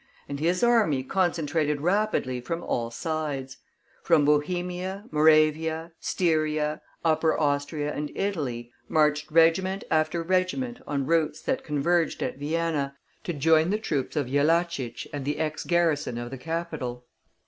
And his army concentrated rapidly from all sides. From Bohemia, Moravia, Styria, Upper Austria, and Italy, marched regiment after regiment on routes that converged at Vienna, to join the troops of Jellachich and the ex garrison of the capital.